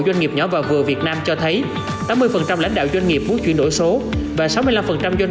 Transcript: doanh nghiệp nhỏ và vừa việt nam cho thấy tám mươi lãnh đạo doanh nghiệp muốn chuyển đổi số và sáu mươi năm doanh